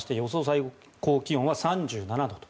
最高気温は３７度と。